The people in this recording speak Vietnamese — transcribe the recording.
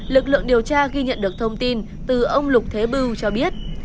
lực lượng điều tra ghi nhận được thông tin từ ông lục thế bưu cho biết